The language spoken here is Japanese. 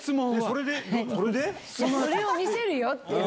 それを見せるよっていう。